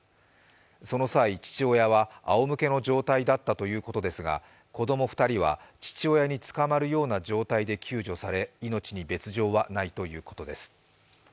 その際、父親はあおむけの状態だったということですが子供２人は父親につかまるような状態で救助され命に別状はないということです。